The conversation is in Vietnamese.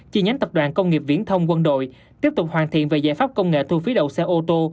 chi nhánh tập đoàn công nghiệp viễn thông quân đội tiếp tục hoàn thiện về giải pháp công nghệ thu phí đầu xe ô tô